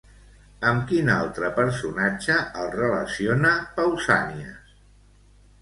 Amb quin altre personatge el relaciona Pausànies?